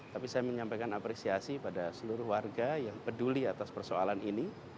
tapi saya menyampaikan apresiasi pada seluruh warga yang peduli atas persoalan ini